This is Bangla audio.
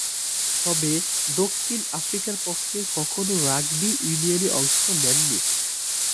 তবে, দক্ষিণ আফ্রিকার পক্ষে কখনো রাগবি ইউনিয়নে অংশ নেননি।